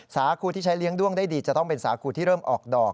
สาครูที่ใช้เลี้ยงด้วงได้ดีจะต้องเป็นสาคูที่เริ่มออกดอก